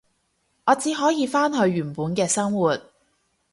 我只可以返去原本嘅生活